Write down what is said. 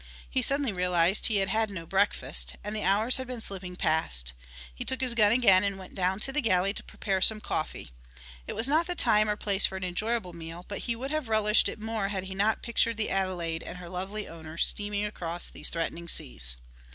He suddenly realized he had had no breakfast, and the hours had been slipping past. He took his gun again and went down to the galley to prepare some coffee. It was not the time or place for an enjoyable meal, but he would have relished it more had he not pictured the Adelaide and her lovely owner steaming across these threatening seas.